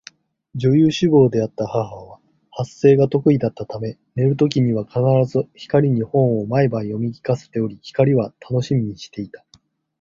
女優志望であった母は発声が得意だったため寝る時には必ず光に本を毎晩読み聞かせており、光は楽しみにしていた